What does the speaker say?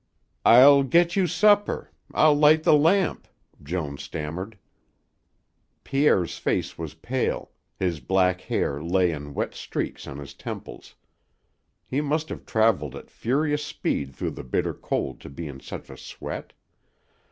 "I'll get you supper. I'll light the lamp," Joan stammered. Pierre's face was pale, his black hair lay in wet streaks on his temples. He must have traveled at furious speed through the bitter cold to be in such a sweat.